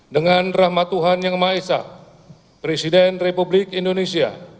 dengan rahmat tuhan yang maha esa presiden republik indonesia